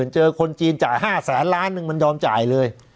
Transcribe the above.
เจอคนจีนจ่าย๕๐๐๐๐๐ด้วยมันยอมจ่ายเลย